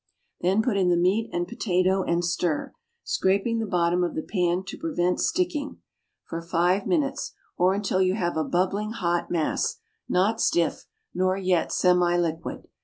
Then put in the meat and potato and stir—scraping the bottom of the pan to prevent sticking—for five minutes, or until you have a bubbling hot mass, not stiff, nor yet semi liquid.